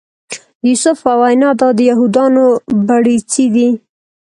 د یوسف په وینا دا د یهودانو بړیڅي دي.